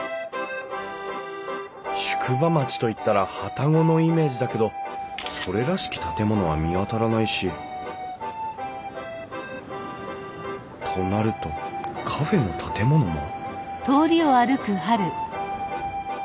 宿場町といったら旅籠のイメージだけどそれらしき建物は見当たらないしとなるとカフェの建物も？